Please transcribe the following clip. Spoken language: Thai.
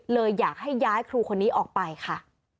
เลยอยากให้ย้ายครูคนนี้ออกไปค่ะ